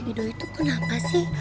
om ido itu kenapa sih